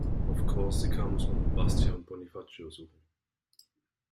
Auf Korsika muss man um Bastia und Bonifacio suchen.